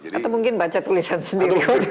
atau mungkin baca tulisan sendiri